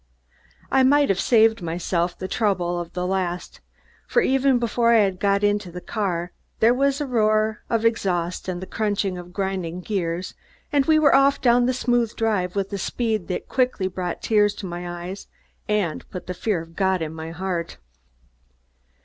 I might have saved myself the trouble of the last, for even before I got into the car there was a roar of exhaust and the crunch of grinding gears and we were off down the smooth drive with a speed that quickly brought tears to my eyes and put the fear of God in my heart.